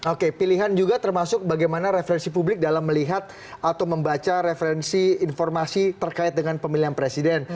oke pilihan juga termasuk bagaimana referensi publik dalam melihat atau membaca referensi informasi terkait dengan pemilihan presiden